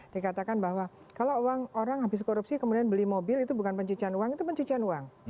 dikatakan bahwa kalau orang habis korupsi kemudian beli mobil itu bukan pencucian uang itu pencucian uang